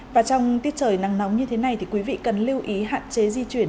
và trong tiết trời nắng nóng như thế này thì quý vị cần lưu ý hạn chế di chuyển